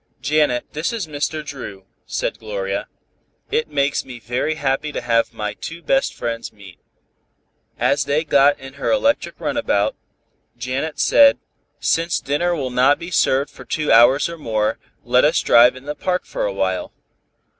"Janet, this is Mr. Dru," said Gloria. "It makes me very happy to have my two best friends meet." As they got in her electric runabout, Janet Strawn said, "Since dinner will not be served for two hours or more, let us drive in the park for a while."